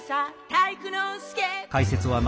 体育ノ介」